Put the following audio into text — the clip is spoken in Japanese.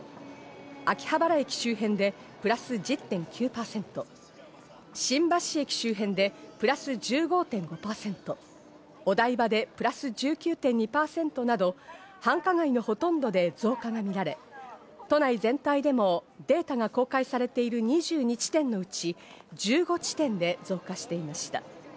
秋葉原駅周辺でプラス１０．９％、新橋駅周辺でプラス１５．５％、お台場でプラス１９．２％など繁華街のほとんどで増加がみられ、都内全体でもデータが公開されている２２地点のうち、１５地点で増加していました。